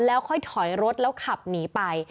แล้วค่อยถอยรถแล้วขับหนีไป